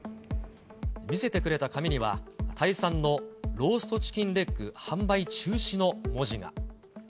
見せてくれた紙には、タイ産のローストチキンレッグ販売中止の文字が。